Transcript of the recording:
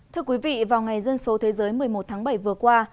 thưa quý vị vào ngày dân số thế giới một mươi một tháng bảy vừa qua